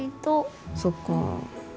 そっか。